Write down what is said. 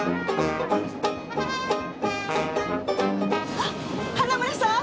あっ花村さん！